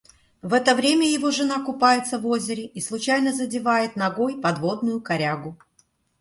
В это время его жена купается в озере и случайно задевает ногой подводную корягу.